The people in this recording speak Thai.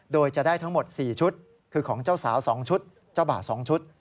โดยจะได้ทั้งหมด๔ชุดคือของเจ้าสาว๒ชุดเจ้าบ่าว๒ชุด